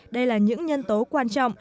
đây là những nhân tố quan trọng